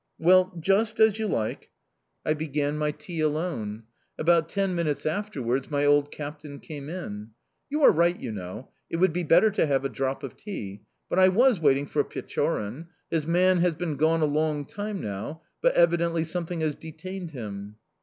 "Well, just as you like!" I began my tea alone. About ten minutes afterwards my old captain came in. "You are right, you know; it would be better to have a drop of tea but I was waiting for Pechorin. His man has been gone a long time now, but evidently something has detained him."